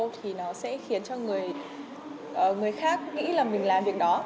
thì nó sẽ khiến cho người khác nghĩ là mình làm việc đó